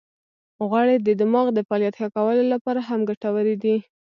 غوړې د دماغ د فعالیت ښه کولو لپاره هم ګټورې دي.